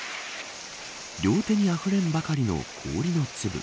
両手にあふれんばかりの氷の粒。